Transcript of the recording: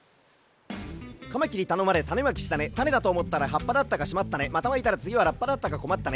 「カマキリたのまれたねまきしたねたねだとおもったらはっぱだったかしまったねまたまいたらつぎはラッパだったかこまったね